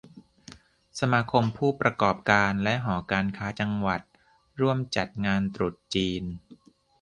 สมาคมผู้ประกอบการและหอการค้าจังหวัดร่วมจัดงานตรุษจีน